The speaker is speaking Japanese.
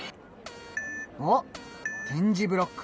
おっ点字ブロック。